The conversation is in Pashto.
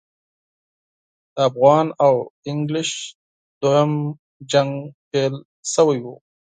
د افغان او انګلیس دوهم جنګ پیل شوی وو.